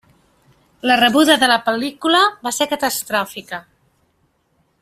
La rebuda de la pel·lícula va ser catastròfica.